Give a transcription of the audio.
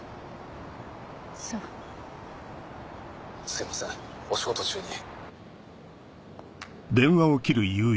すいませんお仕事中に。